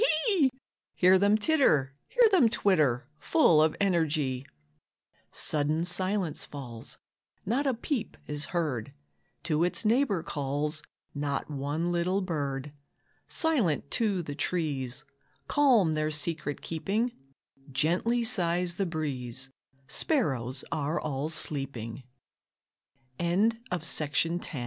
Hear them titter, hear them twitter, Full of energy. Sudden silence falls, Not a peep is heard; To its neighbor calls Not one little bird, Silent too the trees Calm their secret keeping; Gently sighs the breeze; Sparrows